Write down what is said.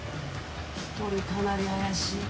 １人かなり怪しい。